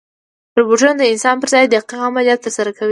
روبوټونه د انسان پر ځای دقیق عملیات ترسره کوي.